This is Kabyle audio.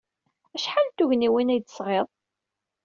Acḥal n tugniwin ay d-tesɣiḍ?